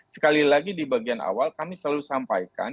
sekali lagi di bagian awal kami selalu sampaikan